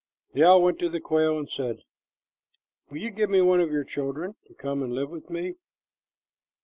The owl went to the quail and said, "Will you let me have one of your children to come and live with me?"